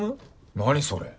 何それ？